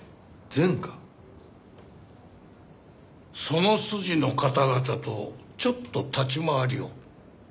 その筋の方々とちょっと立ち回りを。